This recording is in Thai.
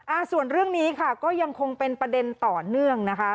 อ่าส่วนเรื่องนี้ค่ะก็ยังคงเป็นประเด็นต่อเนื่องนะคะ